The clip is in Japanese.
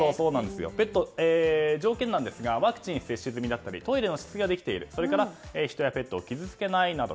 条件なんですがワクチン接種済みだったりトイレのしつけができているそれから人やペットを傷つけないなど。